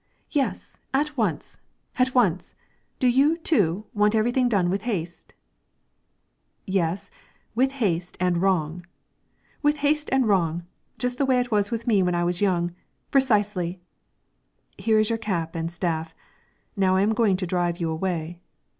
"Yes, at once! at once! Do you, too, want everything done with haste?" "Yes, with haste and wrong." "With haste and wrong! Just the way it was with me when I was young, precisely." "Here is your cap and staff; now I am going to drive you away."